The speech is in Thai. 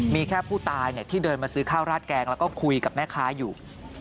มีแค่ผู้ตายที่เดินมาซื้อข้าวราดแกงแล้วก็คุยกับแม่ค้าอยู่